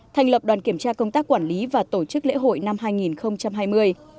thành lập đoàn kiểm tra công tác quản lý và tổ chức lễ hội năm hai nghìn hai mươi